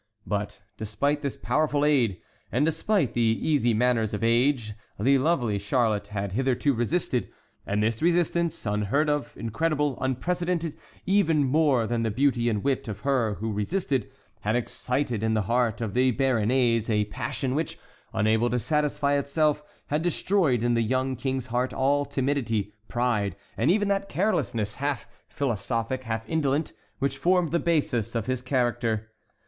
But despite this powerful aid, and despite the easy manners of the age, the lovely Charlotte had hitherto resisted; and this resistance, unheard of, incredible, unprecedented, even more than the beauty and wit of her who resisted, had excited in the heart of the Béarnais a passion which, unable to satisfy itself, had destroyed in the young king's heart all timidity, pride, and even that carelessness, half philosophic, half indolent, which formed the basis of his character.